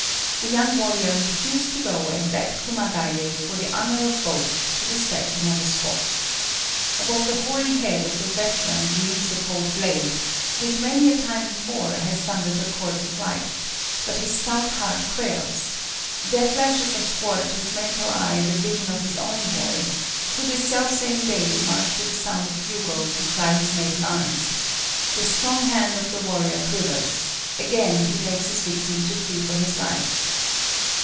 The young warrior refused to go and begged Kumagaye, for the honor of both, to despatch him on the spot. Above the hoary head of the veteran gleams the cold blade, which many a time before has sundered the chords of life, but his stout heart quails; there flashes athwart his mental eye the vision of his own boy, who this self same day marched to the sound of bugle to try his maiden arms; the strong hand of the warrior quivers; again he begs his victim to flee for his life.